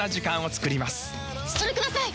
それください！